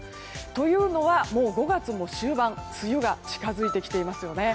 というのは、もう５月も終盤梅雨が近づいてきていますね。